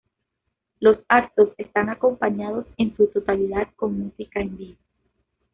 Los actos están acompañados en su totalidad con música en vivo.